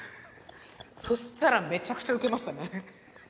そしたらめちゃくちゃウケましたね。